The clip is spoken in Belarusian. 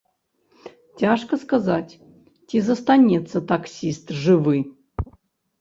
Цяжка сказаць, ці застанецца таксіст жывы.